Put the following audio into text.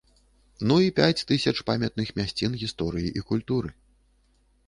Ну і пяць тысяч памятных мясцін гісторыі і культуры.